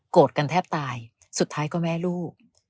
กันแทบตายสุดท้ายก็แม่ลูก